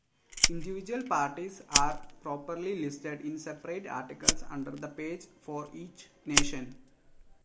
Individual parties are properly listed in separate articles under the page for each nation.